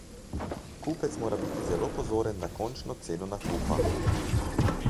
Kupec mora biti zelo pozoren na končno ceno nakupa.